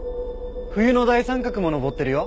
冬の大三角も昇ってるよ。